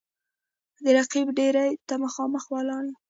د رقیب دېرې ته مـــخامخ ولاړ یـــم